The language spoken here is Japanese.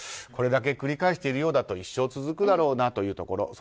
これだけ繰り返しているようだと一生続くだろうなというところ。